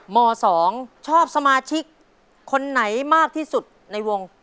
ม๒ชอบสมาชิกคนไหนมากที่สุดในวง